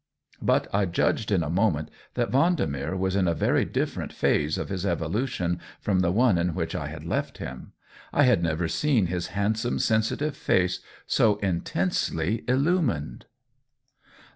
But I judged in a moment that Vendemer was in a very different phase of his evolution from the one in which I had left him. I had never seen his hand some, sensitive face so intensely illumined.